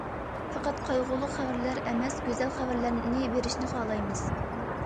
پەقەت قايغۇلۇق خەۋەرلەر ئەمەس، گۈزەل خەۋەرلەرنى بېرىشنى خالايمىز.